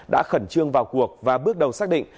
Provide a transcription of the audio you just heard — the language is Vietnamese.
đã khẩn trương vào cuộc và bước đầu xác định